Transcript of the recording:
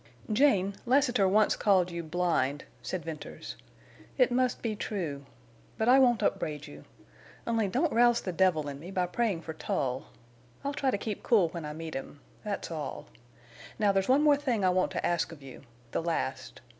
"Jane, Lassiter once called you blind," said Venters. "It must be true. But I won't upbraid you. Only don't rouse the devil in me by praying for Tull! I'll try to keep cool when I meet him. That's all. Now there's one more thing I want to ask of you—the last.